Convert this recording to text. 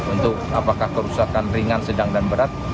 untuk apakah kerusakan ringan sedang dan berat